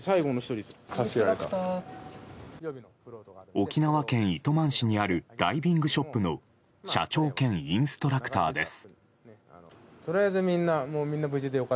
沖縄県糸満市にあるダイビングショップの社長兼インストラクターです。